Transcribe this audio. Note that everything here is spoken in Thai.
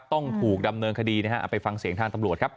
ต้องถูกดำเนินคดีนะฮะเอาไปฟังเสียงทางตำรวจครับ